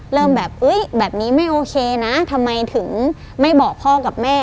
เริ่มแบบแบบนี้ไม่โอเคนะทำไมถึงไม่บอกพ่อกับแม่